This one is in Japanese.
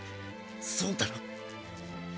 そうだろ？